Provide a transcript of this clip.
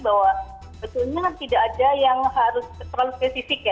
bahwa sebetulnya tidak ada yang harus terlalu spesifik ya